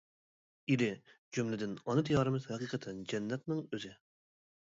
ئىلى، جۈملىدىن ئانا دىيارىمىز ھەقىقەتەن جەننەتنىڭ ئۆزى!